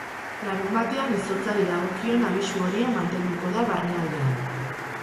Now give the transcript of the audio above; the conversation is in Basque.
Larunbatean izotzari dagokion abisu horia mantenduko da barnealdean.